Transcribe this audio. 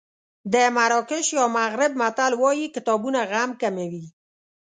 د مراکش یا مغرب متل وایي کتابونه غم کموي.